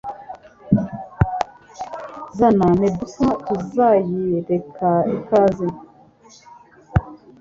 Zana Medusa Tuzayireka ikaze